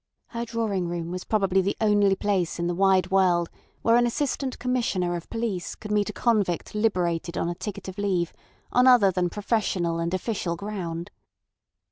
Her drawing room was probably the only place in the wide world where an Assistant Commissioner of Police could meet a convict liberated on a ticket of leave on other than professional and official ground.